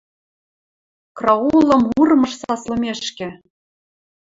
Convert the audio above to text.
Краулым урмыж саслымешкӹ.